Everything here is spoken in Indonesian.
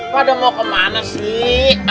waduh mau kemana sih